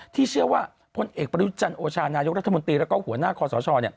ที่เชื่อว่าพลเอกประยุจันทร์โอชานายกรัฐมนตรีแล้วก็หัวหน้าคอสช